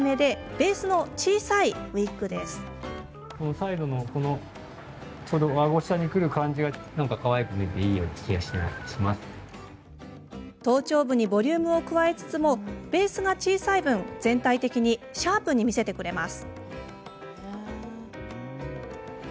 サイドの、この頭頂部にボリュームを加えつつもベースが小さい分、全体的にシャープに見せてくれます。